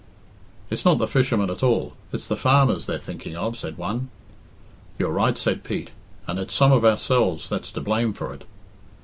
"It's not the fishermen at all it's the farmers they're thinking of," said one. "You're right," said Pete, "and it's some of ourselves that's to blame for it."